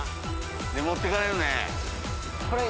持ってかれるね。